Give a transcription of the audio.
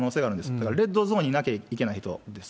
だからレッドゾーンにいなきゃいけない人です。